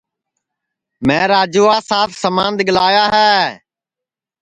میں راجوا سات سمان دؔیگلایا ہے